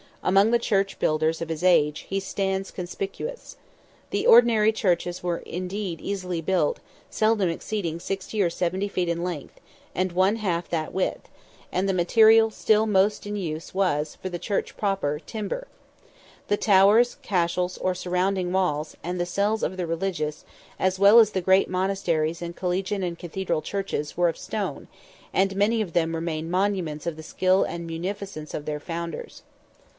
Among the church builders of his age, he stands conspicuous. The ordinary churches were indeed easily built, seldom exceeding 60 or 70 feet in length, and one half that width, and the material still most in use was, for the church proper, timber. The towers, cashels, or surrounding walls, and the cells of the religious, as well as the great monasteries and collegiate and cathedral churches, were of stone, and many of them remain monuments of the skill and munificence of their founders.